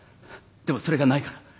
でもそれがないから。